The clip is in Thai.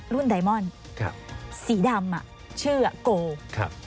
รุ่นไดมอนด์สีดำอ่ะชื่อโกลด์